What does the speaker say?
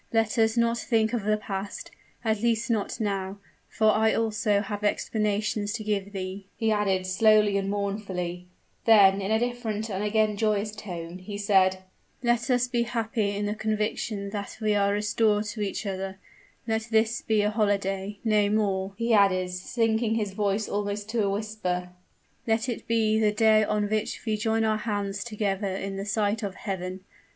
Let us not think of the past, at least not now; for I also have explanations to give thee," he added, slowly and mournfully; then, in a different and again joyous tone, he said: "Let us be happy in the conviction that we are restored to each other; let this be a holiday nay, more," he added, sinking his voice almost to a whisper; "let it be the day on which we join our hands together in the sight of Heaven.